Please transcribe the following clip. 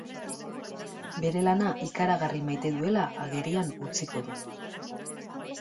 Bere lana ikaragarri maite duela agerian utziko du.